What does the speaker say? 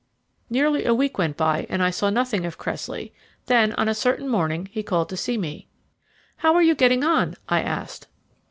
Nearly a week went by and I saw nothing of Cressley; then, on a certain morning, he called to see me. "How are you getting on?" I asked.